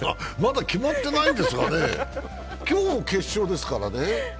まだ決まっていないんですがね、今日決勝ですからね。